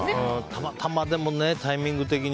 たまたまタイミング的に。